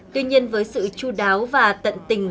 tuy nhiên với sự chú đáo và tận tình